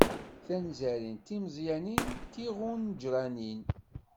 Tanzarin d timeẓyanin d tiɣunǧranin.